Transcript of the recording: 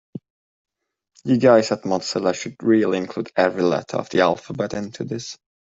You guys at Mozilla should really include every letter of the alphabet into this.